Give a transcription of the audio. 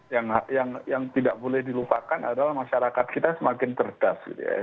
ya yang tidak boleh dilupakan adalah masyarakat kita semakin kerdas gitu ya